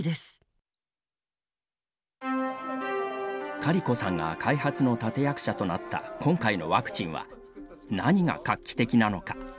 カリコさんが開発の立て役者となった今回のワクチンは何が画期的なのか。